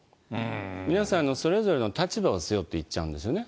皆さん、それぞれの立場を背負っていっちゃうんですよね。